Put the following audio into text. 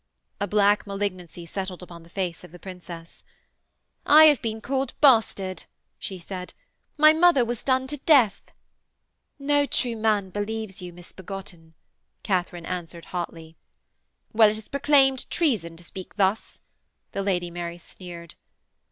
A black malignancy settled upon the face of the princess. 'I have been called bastard,' she said. 'My mother was done to death.' 'No true man believes you misbegotten,' Katharine answered hotly. 'Well, it is proclaimed treason, to speak thus,' the Lady Mary sneered.